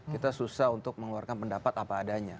kita susah untuk mengeluarkan pendapat apa adanya